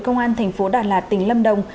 công an thành phố đà lạt tỉnh lâm đồng